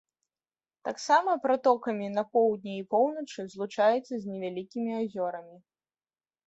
Таксама пратокамі на поўдні і поўначы злучаецца з невялікімі азёрамі.